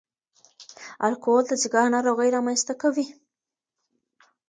الکول د ځګر ناروغۍ رامنځ ته کوي.